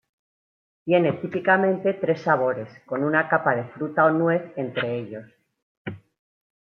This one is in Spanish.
Tiene típicamente tres sabores, con una capa de fruta o nuez entre ellos.